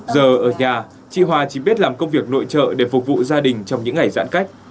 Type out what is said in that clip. giờ ở nhà chị hoa chỉ biết làm công việc nội trợ để phục vụ gia đình trong những ngày giãn cách